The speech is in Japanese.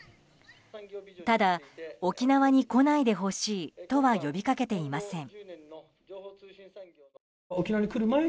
ただ、沖縄に来ないでほしいとは呼びかけていません。